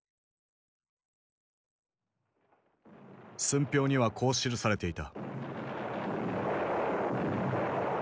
寸評にはこう記されていた。